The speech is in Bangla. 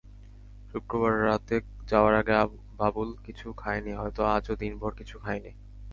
শুক্রবার রাতে যাওয়ার আগে বাবুল কিছু খায়নি, হয়তো আজও দিনভর কিছু খায়নি।